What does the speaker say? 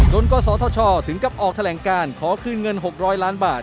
กศธชถึงกับออกแถลงการขอคืนเงิน๖๐๐ล้านบาท